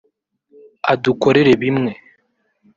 adukukorera bimwe